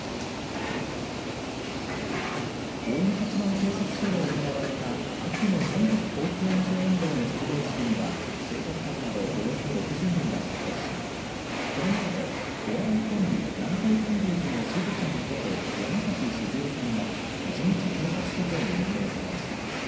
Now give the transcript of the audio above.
近江八幡警察署で行われた秋の全国交通安全運動の出動式には警察官などおよそ６０人が出席しこの中でお笑いコンビ南海キャンディーズのしずちゃんこと山崎静代さんが一日警察署長に任命されました。